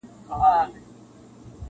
ستا د ګرېوان ستا د پېزوان لپاره -